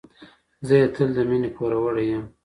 زه یې تل د مينې پوروړی یم.